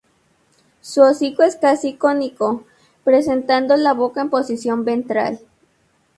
Su hocico es casi cónico, presentando la boca en posición ventral.